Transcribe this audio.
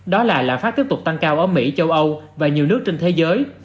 đó là lạm phát tiếp tục tăng cao ở mỹ châu âu và nhiều nước trên thế giới